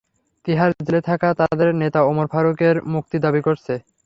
তিহার জেলে থাকা তাদের নেতা ওমর ফারুকের মুক্তি দাবি করেছে।